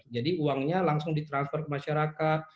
jadi uangnya langsung di transfer ke masyarakat